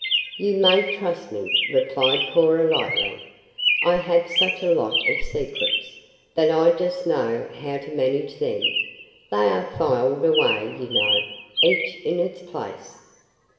"You may trust me," replied Cora lightly. "I have such a lot of secrets, that I just know how to manage them they are filed away, you know, each in its place."